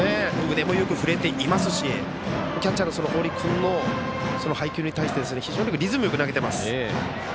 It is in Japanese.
腕もよく振れていますしキャッチャーの堀君の配球に対して非常にリズムよく投げてます。